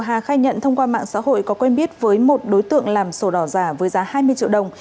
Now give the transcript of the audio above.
hà khai nhận thông qua mạng xã hội có quen biết với một đối tượng làm sổ đỏ giả với giá hai mươi triệu đồng